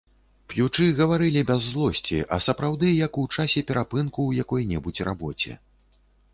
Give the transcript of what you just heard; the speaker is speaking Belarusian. П'ючы, гаварылі без злосці, а сапраўды як у часе перапынку ў якой-небудзь рабоце.